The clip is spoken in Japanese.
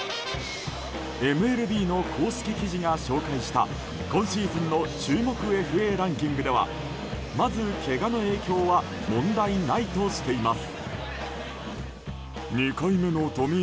ＭＬＢの公式記事が紹介した今シーズンの注目ＦＡランキングではまず、けがの影響は問題ないとしています。